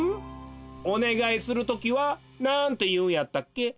おねがいするときはなんていうんやったっけ？